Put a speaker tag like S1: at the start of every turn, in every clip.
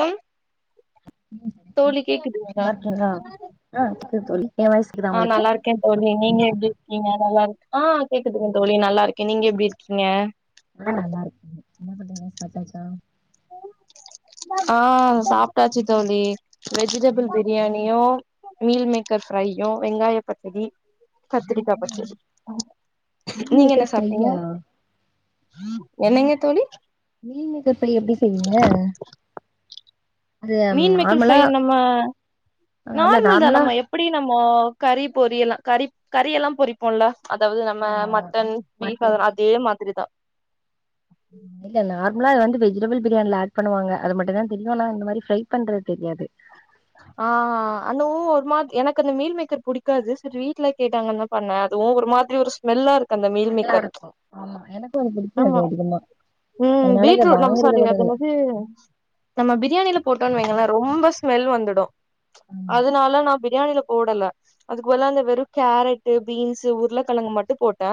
S1: Time தோழி கேக்குதுங்களா
S2: நல்லா இருக்கீங்களா தோழி என் வாய்ஸ் கேக்குதா
S1: ஆ
S2: உங்களுக்கு
S1: நல்லா இருக் கே தோழி நீங்க எப்டி இருக்கீங்க நல்லா இருக்கு ஆ கேக்குதுங்க தோழி நல்லா இருக்கே நீங்க எப்டி இருக்கீங்க
S2: ஆ நல்லா இருக்கே என்ன பண்றீங்க சாப்டாச்சா
S1: ஆ சாப்ட்டாச்சு தோழி வெஜிடபிள் பிரியாணியு மீல் மேக்கர் ஃப்ரையு வெங்காய பச்சடி கத்திரிக்கா
S2: ம்
S1: பச்சடி
S2: மீல்
S1: நீங்க
S2: மேக்கர்
S1: என்ன சாப்ட்டீங்க
S2: ஃப்ரையா
S1: என்னங்க தோழி
S2: மீல் மேக்கர் ஃப்ரை எப்டி செய்வீங்க
S1: [unintelligible]
S2: அது
S1: மீன் மேக்கர் ஃப்ரை
S2: நார்மலா
S1: நம்ம
S2: ஆ இல்ல
S1: நார்மல் தா
S2: நார்மலா
S1: நம்ம எப் ப்படி நம்ம கறி பொரி எல்லா கறி கறி எல்லா பொரிப்போல்ல அதாவது நம்ம
S2: ஆமா
S1: மட்டன் பீஃப் அது
S2: மட்டன்
S1: அதே மாதிரிதா
S2: இல்ல இல்ல நார்மலா அத வந்து வெஜிடபிள் பிரியாணியில ஆட் பண்ணுவாங்க அது மட்டும்தா தெரியு ஆனா இந்த மாதிரி ஃப்ரை பண்றது தெரியாது
S1: ஆ அன ஒ ஒரு மாறி எனக்கு அந்த மீல் மேக்கர் பிடிக்காது செரி வீட்ல கேட்டாங்கன்தா பண்ணே அதுவு ஒரு மாதிரி ஒரு ஸ்மெல்லா இருக்கு அந்த மீன்
S2: நல்லா
S1: மேக்கர்
S2: இருக்கும் ஆமா எனக்கும் அது பிடிக்காது
S1: ஆமா
S2: அதிகமா
S1: ம்
S2: அதனால இத
S1: பீட்ரூட் நம்ம
S2: வாங்குறது
S1: சாப்றது
S2: கூட
S1: அது
S2: இல்ல
S1: என்னது நம்ம பிரியாணியில போட்டோன்னு வைங்களே ரொம்ப ஸ்மெல் வந்துடு
S2: ஆமா
S1: அதுனால நா பிரியாணியில போடல அதுக்கு பதில அந்த வெறு கேரட்டு பீன்ஸ் உருளைக்கிழங்கு மட்டு போட் டே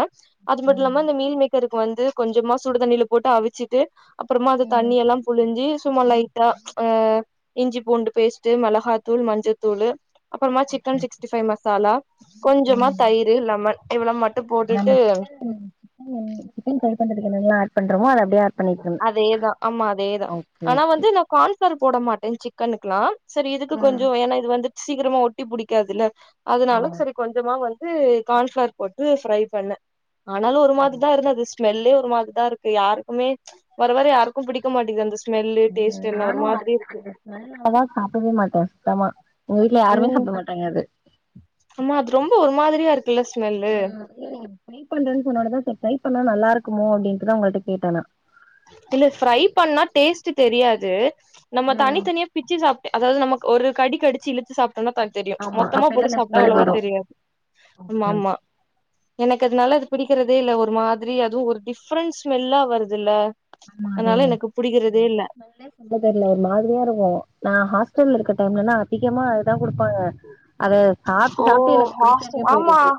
S1: அது
S2: ஆ
S1: மட்டு இல்லாம இந்த மீல் மேக்கருக்கு வந்து கொஞ்சமா சுடுதண்ணில போட்டு அவிச்சிட்டு அப்புறமா அது
S2: ம்
S1: தண்ணி எல்லாம் புழிஞ்சி சும்மா லைட்டா ஆ இஞ்சி பூண்டு பேஸ்ட் டு மிளகாத்தூள் மஞ்சத்தூளு அப்புறமா சிக்கன் சிக்ஸ்டி ஃபை மசாலா கொஞ்சமா
S2: ம்
S1: தயிர் லெமன் இவள மட்டும் போட்டுட்டு
S2: ம் சிக்கன் ப்ரை பண்ணறதுக்கு என்னல்ல ஆட் பண்றமோ அது அப்டியே ஆட் பண்ணிக்கணும்
S1: அதேதா ஆம்மா அதேதா
S2: ஓகே
S1: ஆனா
S2: ஓகே
S1: வந்து நா கான்ஃப்ளவர் போட மாட்டே சிக்கனுக்குல்லா செரி இதுக்கு
S2: ம்
S1: கொஞ்ச ஏன்னா இது வந்துட்டு சீக்கிரமா அடி பிடிக்காதுல்ல அதுனால
S2: ஆமா
S1: செரி கொஞ்சமா வந்து கான்ஃப்ளவர் போட்டு ஃப்ரை பண்ணே ஆனாலு ஒரு மாறிதா இருந்தது அது ஸ்மெல்லே ஒரு மாறிதா இருக்கு யாருக்குமே வர வர யாருக்கும் புடிக்க மாட்டேங்குது அந்த ஸ்
S2: நானு அந்த அந்த ஸ்மெல் வந்தா சாப்பிடவே மாட்டே சுத்தமா எங்க வீட்ல யாருமே
S1: ம்
S2: சாப்ட மாட் டாங்க அது
S1: ஆமா அது ரொம்ப ஒரு மாதிரியா இருக்குல்ல ஸ்மெல்லு
S2: இல்லை நீங்க பீப் பண்றேன்னு சொன்னாலதா சர் ட்ரை பண்ணா நல்லா இருக்குமோ அப்டின்ட்டுதா உங்கள்ட்ட கேட்டேனா
S1: இல்ல ஃப்ரை பண்ணா டேஸ்ட்டு தெரியாது நம்ம
S2: ம்
S1: தனித்தனியா பிச்சு சாப்டு அதாவது நம்ம ஒரு கடிக்கடிச்சு இழுத்து சாப்ட்டோனா பா தெரியும்
S2: ஆமா
S1: மொத்தமா
S2: அப்பைல
S1: போட்டு
S2: அந்த
S1: சாப்ட்டா
S2: ஸ்மெல்
S1: அவ்ளோவா
S2: வரு
S1: தெரியு ஆமா
S2: ஓகே ஓகே.
S1: ஆமா எனக்கு அதனால அது பிடிக்கிறதே இல்ல ஒரு மாதிரி அதுவு ஒரு டிஃப்ரெண்ட் ஸ்மெல்லா வருதுல்ல அதனால எனக்கு புடிக்கிறதே இல்ல
S2: அதா தெர்ல ஒரு மாதிரியா இருக்கு நா ஹாஸ்டல்ல இருக்க டைம்லலா அதிகமா அதா கொடுப்பாங்க
S1: ஓ ஹாஸ்டல் ஆமா
S2: போயிடுச்சு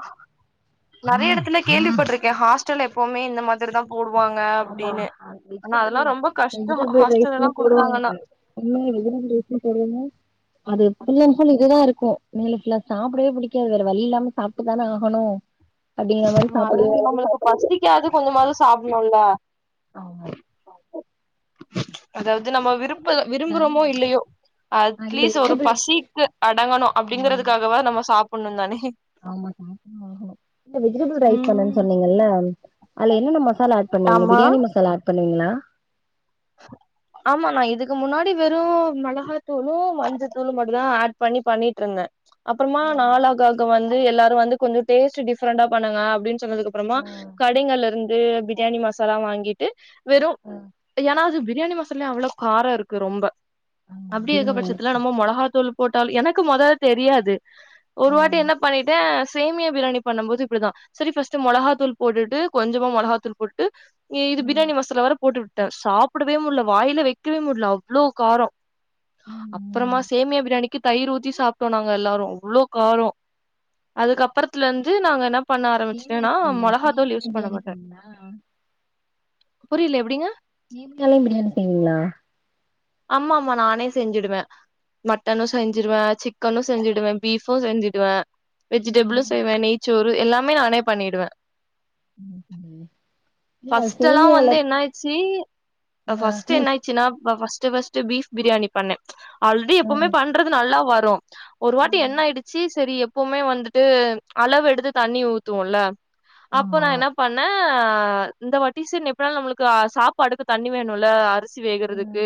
S1: நறைய இடத்துல கேள்விப்பட்டிருக்கே ஹாஸ்டல் எப்பவுமே இந்த மாதிரிதா போடுவாங்க
S2: ஆமா
S1: அப்டின்னு ஆனா
S2: வெஜிடபிள்
S1: அதெல்லா ரொம்ப கஷ்டோ ஹாஸ்டல்லல்லா கொடுத்தாங்கன்னா
S2: [unintelligible] டிஷ்சு சொல்லுங்க அது ஃபுல் அண்ட் ஃபுல் இதுதா இருக்கு மேல ஃபுல்லா சாப்டவே புடிக்காது வேற வழி இல்லாம சாப்ட்டு தான ஆகணு அப்டிங்கிற மாரி
S1: ஆமா ஆனா
S2: சாப்புட்றது
S1: நம்மளுக்கு பசதிக்காது கொஞ்சமாது சாப்டணுல்ல
S2: ஆமா
S1: அதாவது
S2: இது
S1: நம்ம விருப்ப
S2: வெஜிடபிள் ரைஸ்ல
S1: விரும்புறோமோ இல்லையோ
S2: ஆ இல்ல
S1: அட்லீஸ்ட் ஒரு
S2: வெஜிடபிள்
S1: பசிக்கு அடங்கணு
S2: ம்
S1: அப்டிங்கறதுக்காகவா நம்ம சாப்பட்ணு தானே
S2: ஆமா சாப்ட்டு தா ஆகனு இந்த வெஜிடபிள் ரைஸ் பண்ணன்
S1: ம்
S2: சொன்னீங்கல்ல அது என்னன்ன ம மசால ஆட் பண்ணீவீங்க
S1: ஆமா
S2: பிரியாணி மசாலா ஆட் பண்ணுவீங்களா
S1: [inaudible] ஆமா நா இதுக்கு முன்னாடி வெறும் மெளகாத்தூளு மஞ்ச தூளும் மட்டு தா ஆட் பண்ணி பண்ணிட்டு இருந்த அப்பறமா
S2: ஆ
S1: நாலாகாக வந்து எல்லாரு‌ வந்து கொஞ்சோ டேஸ்ட்டு டிஃப்ரெண்டா பண்ணுங்க அப்டின்னு சொன்னதுக்கு அப்புறமா
S2: ஆ
S1: கடைகள்ல இருந்து பிரியாணி மசாலா வாங்கிட்டு வெறு
S2: ஆ
S1: ஏன்னா அது பிரியாணி மசால்லே அவ்ளோ காரோ இருக்கு ரொம்ப
S2: ஆமா
S1: அப்டி இருக்க
S2: அதிகமாதா
S1: பட்சத்துல
S2: இருக்கு
S1: நம்ம மொளகாத்தூள் போட்டல் எனக்கு மொத தெரியாது
S2: ஆ
S1: ஒரு வாட்டி என்ன பண்ணிட்ட சேமியா பிரியாணி பண்ணும் போது இப்படிதா சரி ஃபர்ஸ்ட்டு மொளகாத்தூள் போட்டுட்டு கொஞ்சமா மொளகாத் தூள் போட்டுட்டு இது
S2: ம்
S1: பிரியாணி மசாலா வேர போட்டு விட்ட சாப்படவே முடியல வாயில வைக்கவே முடியல அவ்ளோ காரோ
S2: ம் ம்
S1: அப்பறமா சேமியா பிரியாணி க்கு தயிர் ஊத்தி சாப்ட்டோ நாங்க எல்லாரு அவ்ளோ காரோ அதுக்கப்பறத்துல இருந்து நாங்க என்னப் பண்ண
S2: சேமியா
S1: ஆரம்பிச்சட்டன்னா
S2: பிரியாணியா
S1: மொளகா தூள்
S2: சேமியாலயு
S1: யூஸ் பண்ண
S2: பிரியாணி
S1: மாட்ட
S2: செய்வீங்களா
S1: புரியல எப்டிங்க
S2: நீங்களே பிரியாணி செய்வீங்களா
S1: ஆமா ஆமா நானே செஞ்சுடுவே மட்டனு செஞ்சுருவே சிக்கனு செஞ்சுடுவே பீஃபு செஞ்சுடுவே
S2: ம்
S1: வெஜிடேபிளு
S2: ம்
S1: செய்வே நெய்ச்சோறு எல்லாமே நானே பண்ணிடுவ
S2: ம் ம் இல்ல
S1: ஃபஸ்ட்டெல்லா
S2: சேமியால
S1: வந்து என்ன ஆய்ச்சு அ
S2: ஆ
S1: ஃபர்ஸ்ட்டு
S2: இல்ல
S1: என்ன ச்சுன்ன ப ஃபஸ்ட்டு ஃபஸ்ட்டு பீஃப் பிரியானி பண்ண ஆல்ரெடி எப்பவுமே
S2: ம்.
S1: பண்றது நல்லா வரு ஒரு வாட்டி
S2: ம்.
S1: என்ன ஆயிடுச்சு சரி எப்பவுமே வந்துட்டு அளவு எடுத்து தண்ணி ஊத்துவோல்ல அப்போ
S2: ஆமா.
S1: நா என்னப் பண்ண இந்த வாட்டி செரி எப்டினாலு நம்மளுக்கு அ சாப்பாடுக்கு தண்ணி வேணும்ல்ல அரிசி அரிசி
S2: ம்.
S1: வேகறதுக்கு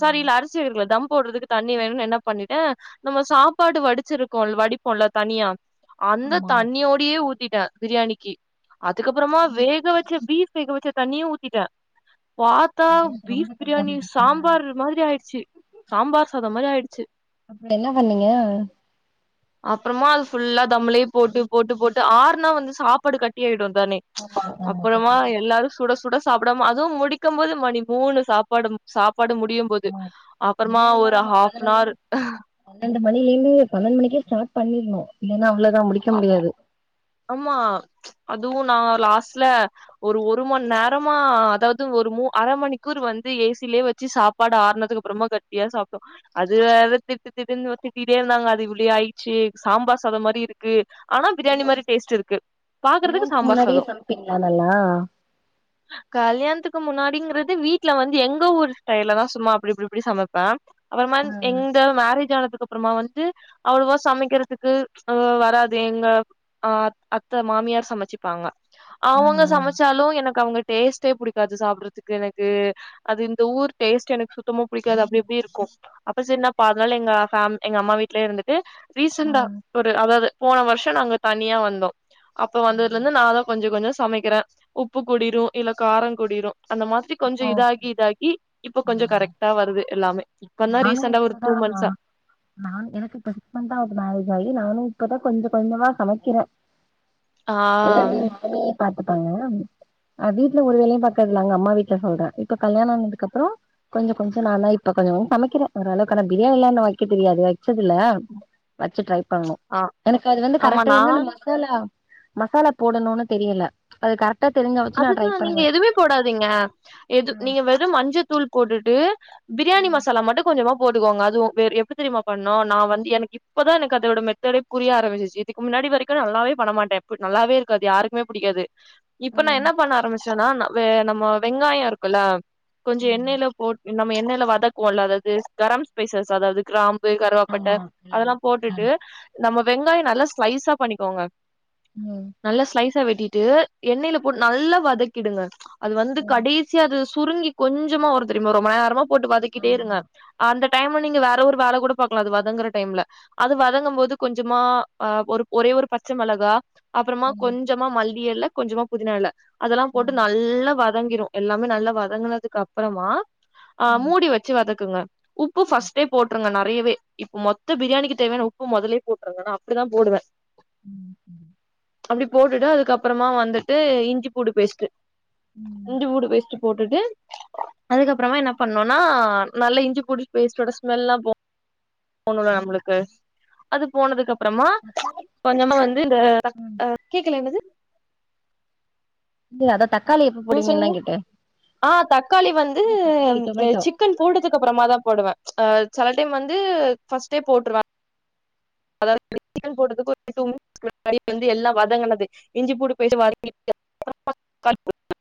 S1: சாரி
S2: ஆமா.
S1: இல்ல அரிசி வேகறக்கில்ல தம்போடுறதுக்கு தண்ணி வேணுனு என்ன பண்ணிட்ட நம்ம சாப்பாடு வடிச்சிருக்கோம் வடிப்போல்ல தனியா அந்த
S2: ஆமா.
S1: தண்ணியோடியே ஊத்திட்ட பிரியாணிக்கு அதுக்கப்புறமா வேக வச்ச பீஃப் வேக வச்ச தண்ணியு ஊத்திட்ட பாத் தா
S2: இது ரொம்ப
S1: பீஃப்
S2: தண்ணியா
S1: பிரியாணி
S2: போயிடுச்சா?
S1: சாம்பார் மாதிரி ஆயிடுச்சு சாம்பார் சாதம் மாதிரி ஆயிடுச்சு
S2: அப்பற என பண்ணீங்க
S1: அப்புறமா அது ஃபுல்லா தம்ளேயே போட்டு போட்டு போட்டு ஆறுனா வந்து சாப்பாடு கட்டி ஆயிடுந் தானே
S2: ஆமா, ஆமா.
S1: அப்புறமா
S2: செட்டியாயிடும்.
S1: எல்லாரு சுட சு சுட சாப்பிடாம அதுவு முடிக்கும்போது மணி மூணு சாப்பாடு சாப்பாடு முடியும் போது
S2: ஆமா.
S1: அப்புறமா ஒரு ஹாஃப்னார்
S2: பன்னெண்டு மணி பன்னெண்டுமணிக்கே ஸ்டார்ட் பண்ணிட்ணோ இல்லன்னா அவ்வளோதா முடிக்
S1: ஆமா அதுவு நா லாஸ்ட்ல ஒரு ஒரு மண் நேரமா அதாவது ஒரு மூ அர மணிக்குகூர் வந்து ஏ சிலயே வெச்சு சாப் ப்பாடா ஆறனதுக்குப்பறமா கட்டியா சாப்ட்டோ அது வேற திட்டு திட்டுன்னு திட்டிட்டே இருந்தாங்க அது உள்ளயே ஆயிச்சு சாம்பார் சாதம் மாரி இருக்கு ஆனா பிரியாணி
S2: இல்ல
S1: மாதிரி டேஸ்ட்டு இருக்கு பாக்குறதுக்கு
S2: கல்யாணத்துக்கு
S1: சாம்பார்
S2: முன்னாடியே
S1: சாதம்
S2: சமைப்பீங்களா நல்லா?
S1: ஆஹ் கல்யாணத்துக்கு முன்னாடிங்கிறது வீட்ல வந்து எங்க ஊரு ஸ்டைலதா சும்மா அப்புடி இப்புடி இப்புடி சமைப்பே அப்புறமா
S2: ஆ.
S1: எந்த மேரேஜ் ஆனதுக்கு அப்புறமா வந்து அவ்வளவா சமைக்கிறதுக்கு ஆ வ ராது எங்க அ அத்த மாமியார் சமைச்சிப்பாங்க
S2: ஆ,
S1: அவுங்க
S2: ஆ.
S1: சமைச்சாலு எனக்கு அவுங்க டேஸ்ட்டே புடிக்காது சாப்பறதுக்கு எனக்கு அது இந்த ஊர் டேஸ்ட் எனக்கு சுத்தமா புடிக்காது அப்புடி இப்புடி இருக்கோ அப்ப சரினா பகல் எங்க ஃபேம் எங்க அம்மா வீட்லயே இருந்துட்டு
S2: ஆ.
S1: ரீசண்டா ஒரு அதாவது போன வர்ஷோ நாங்க தனியா வந்தோ அப்ப
S2: ஓ!
S1: வந்ததுல இர்ந்து நாந்தா கொஞ்சோ கொஞ்சோ சமைக்குற உப்பு கூடிரு இல்ல காரோ கூடிரு அந்த மாரி பத்தி கொஞ்சோ
S2: இப்போ
S1: இதாகி
S2: ஓகே.
S1: இதாகி இப்ப கொஞ்சோ
S2: ம்.
S1: கரெக்டா வருது எல்லாமே இப்பந்தா ரீசெண்டா ஒரு டூ மந்த்ஸா
S2: நா எனக்கு இப்ப சிக்ஸ் மந்த்தா ஆவுது நா இதாகி நானு இப்பதா கொஞ்சோ கொஞ்சமா சமைக்கிற
S1: ஆ
S2: எல்லாமே அவுங்களே பாத்துப்பாங்கலா அ வீட்ல ஒரு வேலையு பாக்கறது இல்ல அங்க அம்மா வீட்ல சொல்ற இப்ப கல்யணோ ஆனதுக்கப்புறோ கொஞ்சோ கொஞ்சோ நானா இப்ப கொஞ்சோன் சமைக்கிற ஓரளவுக்கு ஆனா பிரியாணிலா இன்னோ வெக்க தெரியாது வெச்சதுல்ல வெச்சு ட்ரை பண்ணணோ
S1: ஆ
S2: எனக்கு அது வந்து
S1: ஆமா
S2: கரெக்டா என்னென்ன
S1: நானு
S2: மசாலா மசாலா போடணோனு தெரியுல அது கரெக் டா தெரிஞ்சா வச்சு நா ட்ரை
S1: அதுதா நீங்க
S2: பண்ணுவே
S1: எதுமே போடாதீங்க எது
S2: ம்
S1: நீங்க வெறு மஞ்சத்தூள் போட்டுட்டு பிரியாணி
S2: ம்
S1: மசாலா மட்டு கொஞ்சமா போட்டுக்கோங்க அதுவு வேறு எப்புடி தெரியுமா பண்ணோ நா வந்து எனக்கு இப் இப்பதா எனக்கு அதோட மெத்தடே புரிய ஆரம்பிச்சுச்சு இதுக்கு முன்னாடி வரைக்கோ நல்லாவே பண்ண மாட்டே நல்லாவே இருக்காது யாருக் எதுமே பிடிக்காது இப்போ நா
S2: ம்
S1: என்ன பண்ண ஆரம்பிச்சேனா வெ நம்ம வெங்காயோ இருக்குல கொஞ்சோ
S2: ஆமா
S1: எண்ணெய்ல போட் நம்ம எண்ணெய்ல வதக்குவோல அதாவது கரம் ஸ்பைசஸ் அதாவது கிராம் ப்ளெய்ன் கருவாப்பட்ட
S2: ஆமா எல்லாமே
S1: அதெல்லா
S2: அ
S1: போட்டுட்டு நம்ம வெங்காயோ நல்லா ஸ்லைஸா பண்ணிக்கோங்க
S2: ம்
S1: நல்லா ஸ்லைஸா வெட்டிட்டு எண்ணெயில போட்டு நல்லா வதக்கிடுங்க அது வந்து
S2: ம்
S1: கடேசி யா அது சுருங்கி கொஞ்சமா வரு தெரியுமா ரொம்ப நேரமா போட்டு வதக்கிட்டே
S2: ஆமா
S1: இருங்க அந்த டைமு நீங்க வேற ஒரு வேல கூட பாக்கலா அது வதங்குற டைம்ல அது வதங்கும் போது கொஞ்சமா அ ஒரு ஒரே ஒரு பச்ச மெளகா அப்புறமா
S2: ம்
S1: கொஞ்சமா மல்லி எல கொஞ்சமா புதினா எல அதெல்லா போட்டு
S2: ம்
S1: நல்லா வத ங்கிரோ எல்லாமே நல்லா வதங்குனதுக்கு அப்புறமா அ
S2: ம்
S1: மூடி வச்சு வதக்குங்க உப்பு
S2: ம்
S1: ஃபர்ஸ்ட்டே போட்டுருங்க நறையவே இப்ப மொத்த பிரியாணிக்கு தேவையான உப்பு மொதல்லே போட்றுங்க நா அப்புடிதா போடுவே
S2: ம் ம்
S1: அப்டி போட்டுட்டு அதுக்கப்றமா வந்துட்டு இஞ்சி பூண்டு பேஸ்ட்டு
S2: ம்
S1: இஞ்சி பூண்டு பேஸ்ட்டு போட்டுட்டு அதுக்கப்றமா என்ன பண்ணுனா நல்லா இஞ்சி பூண்டு பேஸ்டோட ஸ்மெல்லா போ போணுல நம்ளுக்கு அது போனதுக்கு அப்றமா கொஞ்சமா வந்து இந்த
S2: ம்
S1: அ கேக்கல என்னது
S2: இத அத தக்
S1: அ சொல்லுங்க ஆ தக்காளி வந்து
S2: இல்ல தக்காளி டொமேட்டோ
S1: சிக்கன் போட்டதுக்கு அப்றமா தா போடுவே செல டைம் வந்து பஸ்டே போட்ருவ அதாவது [unintelligible] திக்கல் போடுறதுக்கு ஒரு டூ மினிட்ஸ் முன்னாடியே வந்து எல்லா வதங்கனது இஞ்சி பூண்டு போஸ்ட்டு வதக்கிட்டு [unintelligible] கால் பண்ணுங்க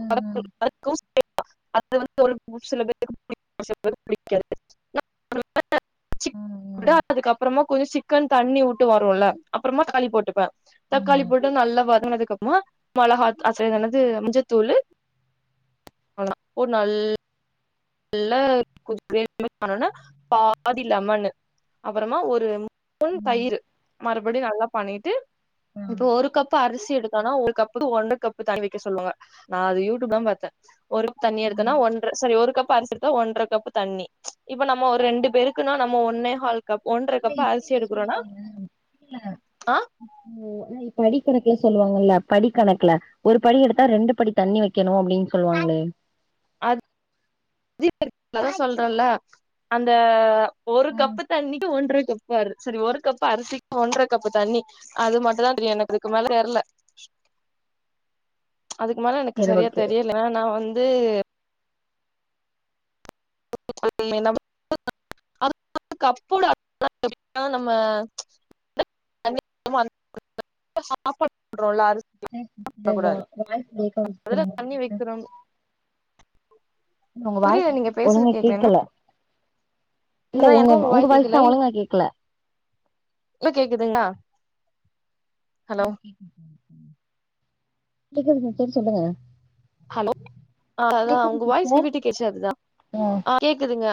S2: ம் ம்
S1: அது வந்து ஒரு சில பேருக்கு புடிக்கு சில பேருக்கு புடிக்காது சிக்
S2: ம்
S1: போட்டுட்டு
S2: ம்
S1: அதுக்கப் மிகறமா கொஞ்சோ சிக்கன் தண்ணி வுட்டு வருல அப்றமா தாக்காளிப் போட்டுப்பே
S2: ஆமா
S1: தக்காளி போட்டு நல்லா வதனதுக்கப்றமா மொளகாத் அசெது என்னது மஞ்சத்தூளு அவ்ளோதா போட் நல் ல்லா கொஞ்சோ கிரேவி மாரி ஆனோன பாதி லெமனு அப்றமா ஒரு மூன் பூன்
S2: ம்.
S1: தயிரு மறுபடி நல்லா பண்ணிட்டு
S2: ஆ.
S1: இப்போ ஒரு கப்பு அரிசி எடுத்தனா ஒரு கப்புக்கு ஒன்ற கப்பு தண்ணி வைக்க சொல்வாங்க நா அது யூடியூப் தா பாத்தே ஒரு தண்ணி எடுத்தன்னா
S2: ம்.
S1: ஒன்ற சாரி ஒரு கப் பரிசித்தோ ஒன்றகப்பு தண்ணி இப்ப நம்ம ஒரு ரெண்டு பேருக்குனா நம்ம ஒன்னே ஹால் கப் ஒன்ற
S2: இல்ல
S1: கப் அரிசி
S2: இப்படிலாம்
S1: எடுக்கறோனா ஆ
S2: ம் படிக் கணக்குல சொல்லுவாங்கல்ல படி கணக்குல ஒரு படி எடுத்தா ரெண்டு படி தண்ணி வைக்கணு அப்டின்னு சொல்வாங்ளே
S1: ஜிதக் நாதா சொல்றல அந்த ஒரு
S2: ஆ.
S1: கப்பு தண்ணிக்கு ஒன்றை கப் ப்பாரு சரி ஒரு கப்பு அரிசிக்கு ஒன்ற கப்பு தண்ணி அது மட்டு தா தெரியு எனக்கு அதுக்குமேல தெர்ல அதுக்கு மேல எனக்கு
S2: சரி
S1: சரியா
S2: ஓகே.
S1: தெரியல இப்ப நா வந்து [unintelligible] [unintelligible] நம்ம [unintelligible] சாப்பாட் போட்ரோல அரிசி
S2: இந்த வா
S1: [unintelligible]
S2: வாய்ஸ் பிரேக் ஆகுது
S1: இதுல
S2: உங்க
S1: தண்ணி
S2: வாய்ஸு.
S1: வைக்கிறோ
S2: உங்க
S1: புரியில
S2: வாய்ஸ்
S1: நீங்க பேசுர
S2: ஒழுங்கா
S1: கேக்கள என்ன
S2: கேட்கல. இல்ல
S1: அதா எனக்கு உங்க வாய்
S2: வாய்ஸ்
S1: கேக்கல
S2: தான் ஒழுங்கா கேட்கல.
S1: இப்ப கேக்குதுங்ளா
S2: ம் கேக்குது கேக்குதுங்க செரி சொல்லுங்க
S1: ஹலோ அ அதா
S2: கேக்குது
S1: உங்க வாய்ஸ்
S2: சிஸ்டர்.
S1: விவிட்டு கேச்சா அதா
S2: ஆ.
S1: அ கேக்குதுங்க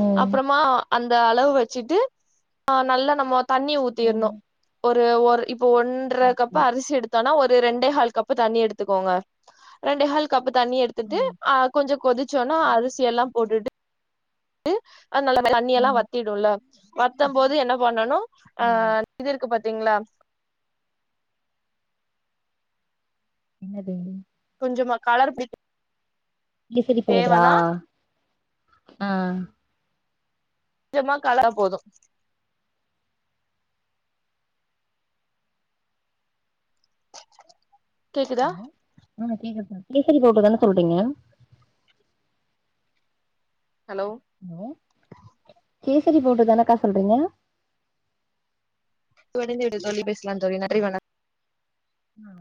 S2: ம்.
S1: அப்றமா அந்த அளவு வச்சுட்டு அ நல்லா நம்மோ தண்ணிய ஊத்திர்ணு
S2: ம்.
S1: ஒரு ஒரு இப்ப ஒன்ற கப்பு
S2: ஓகே.
S1: அரிசி எடுத்தோனா ஒரு ரெண்டே ஹால் கப்பு தண்ணி எடுத்துக்கோங்க ரெண்டே ஹால் கப்பு தண்ணி எடுத்துட்டு
S2: ம்.
S1: அ கொஞ்சோ கொதிச்சோனா அரிசிய எல்லா போட்டுட்டு டு அது நல்லா தண்ணி எல்லா
S2: ம்.
S1: வத்திடுல வத்தம்போது என்ன பண்ணனு அ
S2: ஆமா.
S1: இதுருக்கு பாத்தீங்ளா
S2: என்னது அது
S1: கொஞ்சோமா கலர் போடித்
S2: கேசரி பவுடறா ஆ
S1: கொஞ்சமா கள போது கேக்குதா
S2: ஹலோ ஆ கேக்குத்தா கேசரி பவுடரு தான சொல்றீங்க
S1: ஹலோ
S2: கேசரி பௌடர் தானக்கா சொல்றீங்க
S1: தொடைந்து விட்டது தோழி பேஸ்லா தோழி நன்றி வணக்
S2: ஆ